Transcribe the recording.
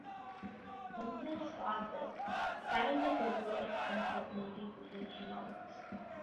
Menger saw that time was the root of uncertainty within economics.